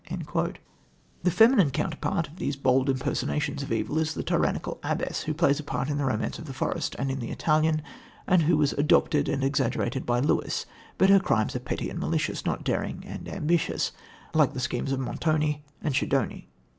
The feminine counterpart of these bold impersonations of evil is the tyrannical abbess who plays a part in The Romance of the Forest and in The Italian, and who was adopted and exaggerated by Lewis, but her crimes are petty and malicious, not daring and ambitious, like the schemes of Montoni and Schedoni.